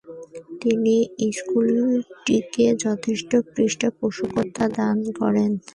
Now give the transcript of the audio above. তিনি স্কুলটিকে যথেষ্ট পৃষ্ঠপোষকতা দান করেন।